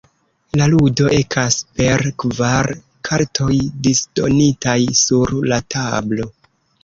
La ludo ekas per kvar kartoj disdonitaj sur la tablo.